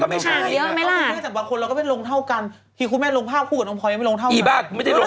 อ่ะวันไม่เท่ากันก็